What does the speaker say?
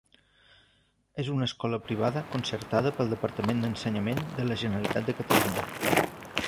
És una escola privada concertada pel Departament d’Ensenyament de la Generalitat de Catalunya.